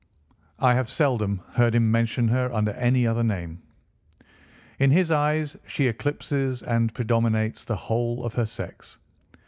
I have seldom heard him mention her under any other name. In his eyes she eclipses and predominates the whole of her sex.